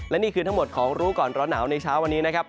และนี่คือทั้งหมดของรู้ก่อนร้อนหนาวในเช้าวันนี้นะครับ